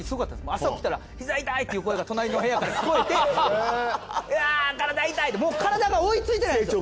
朝起きたら「膝痛い！」っていう声が隣の部屋から聞こえて「わ体痛い！」ってもう体が追いついてないんですよ